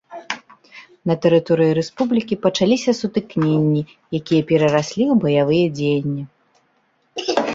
На тэрыторыі рэспублікі пачаліся сутыкненні, якія перараслі ў баявыя дзеянні.